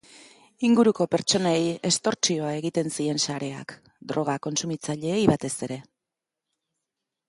Inguruko pertsonei estortsioa egiten zien sareak, droga kontsumitzaileei batez ere.